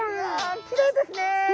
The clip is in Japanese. きれいですね。